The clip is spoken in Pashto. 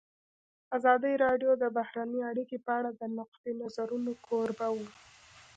ازادي راډیو د بهرنۍ اړیکې په اړه د نقدي نظرونو کوربه وه.